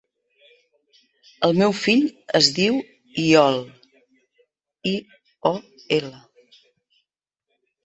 El meu fill es diu Iol: i, o, ela.